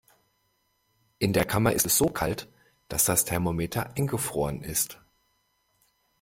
In der Kammer ist es so kalt, dass das Thermometer eingefroren ist.